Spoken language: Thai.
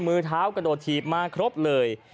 มือเท้ากระโดดถีบมาครบเลย